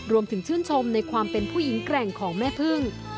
ชื่นชมในความเป็นผู้หญิงแกร่งของแม่พึ่ง